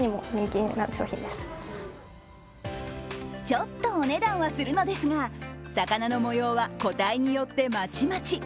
ちょっとお値段はするのですが、魚の模様は個体によってまちまち。